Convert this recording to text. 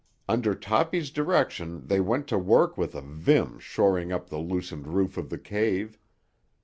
Under Toppy's direction they went to work with a vim shoring up the loosened roof of the cave.